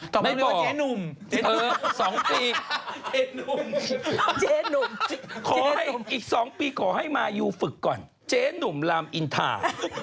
ตอบมาเรียกว่าเจ๊หนุ่มเจ๊หนุ่มอีก๒ปีขอให้มายูฝึกก่อนเจ๊หนุ่มลำอินทา